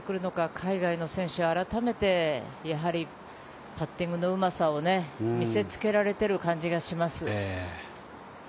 海外の選手、あらためてパッティングのうまさ、見せつけられてる感じがします。